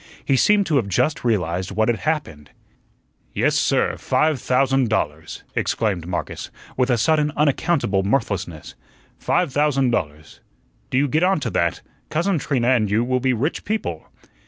He seemed to have just realized what had happened. "Yes, sir, five thousand dollars!" exclaimed Marcus, with a sudden unaccountable mirthlessness. "Five thousand dollars! Do you get on to that? Cousin Trina and you will be rich people."